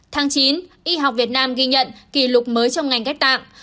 tháng chín y học việt nam ghi nhận kỷ lục mới trong ngành ghép tạng